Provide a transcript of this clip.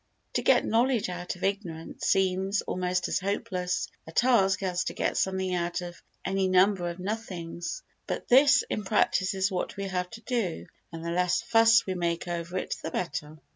To get knowledge out of ignorance seems almost as hopeless a task as to get something out of any number of nothings, but this in practice is what we have to do and the less fuss we make over it the better.